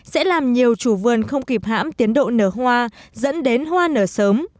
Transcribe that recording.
sẽ làm nhiều chủ vườn không kịp hãm tiến độ nở hoa dẫn đến hoa nở sớm